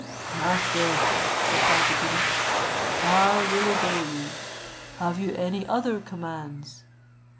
"Master," replied the genie, "I will obey you. Have you any other commands?"